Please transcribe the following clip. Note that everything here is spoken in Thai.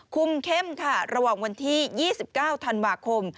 เข้มค่ะระหว่างวันที่๒๙ธันวาคม